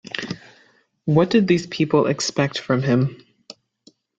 What did these people expect from him.